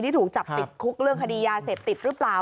ถูกจับติดคุกเรื่องคดียาเสพติดหรือเปล่า